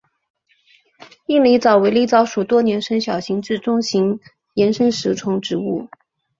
硬狸藻为狸藻属多年生小型至中型岩生食虫植物。